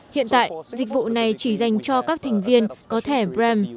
hiện tại dịch vụ này chỉ dành cho các thành viên có thẻ pram